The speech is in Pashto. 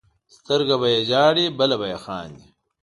سترګه به یې ژاړي بله به یې خاندي.